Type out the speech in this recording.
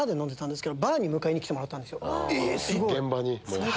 現場に。